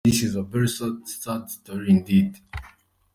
This is a very sad story indeed.